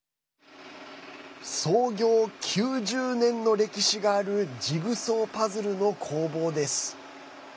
創業９０年の歴史があるジグソーパズルの工房です。